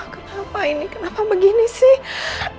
kenapa ini kenapa begini sih